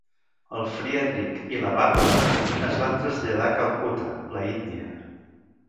El Friedrich i la Barbara es van traslladar a Calcutta, la India.